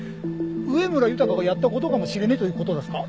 上村浩がやったことかもしれねえということだすか？